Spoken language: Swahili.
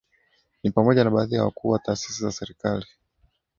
Ni pamoja na baadhi ya wakuu wa taasisi za serikali